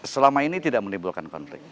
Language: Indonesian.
selama ini tidak menimbulkan konflik